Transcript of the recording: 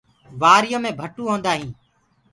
وآريو مي ڀٽو هوندآ هينٚ۔